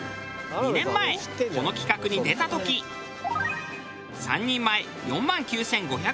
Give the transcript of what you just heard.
２年前この企画に出た時３人前４万９５００円